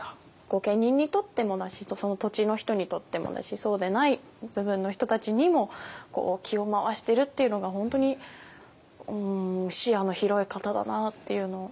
御家人にとってもだしその土地の人にとってもだしそうでない部分の人たちにも気を回してるっていうのが本当に視野の広い方だなっていうのを。